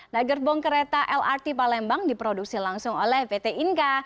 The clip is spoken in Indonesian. nah gerbong kereta lrt palembang diproduksi langsung oleh pt inka